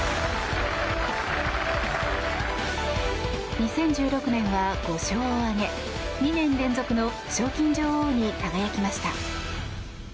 ２０１６年は５勝を挙げ２年連続の賞金女王に輝きました。